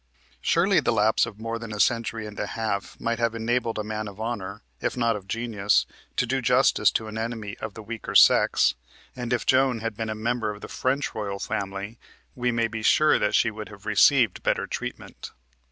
Surely the lapse of more than a century and a half might have enabled a man of honor, if not of genius, to do justice to an enemy of the weaker sex, and if Joan had been a member of the French royal family we may be sure that she would have received better treatment.